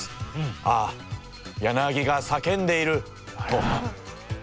「ああヤナギが叫んでいる！」と。